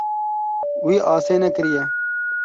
Wî asê nekiriye.